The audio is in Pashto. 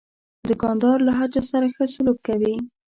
دوکاندار له هر چا سره ښه سلوک کوي.